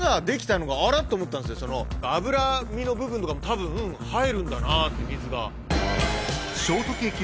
脂身の部分とかもたぶん入るんだなって水が。